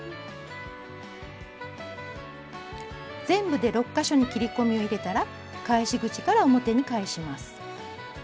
全部で６か所に切り込みを入れたら返し口から表に返します。